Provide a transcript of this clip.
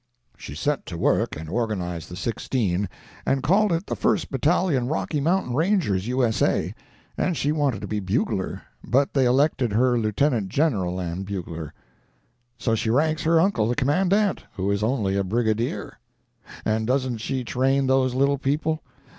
"She set to work and organized the Sixteen, and called it the First Battalion Rocky Mountain Rangers, U.S.A., and she wanted to be bugler, but they elected her Lieutenant General and Bugler. So she ranks her uncle the commandant, who is only a Brigadier. And doesn't she train those little people!